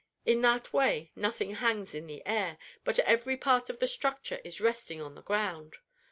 In that way nothing hangs in the air, but every part of the structure is resting on the ground.